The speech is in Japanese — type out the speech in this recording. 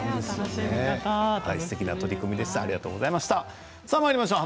すてきな取り組みでした。